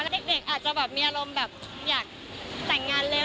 แล้วเด็กอาจจะแบบมีอารมณ์แบบอยากแต่งงานเร็ว